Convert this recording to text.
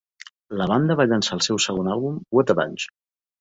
La banda va llançar el seu segon àlbum Wotabunch!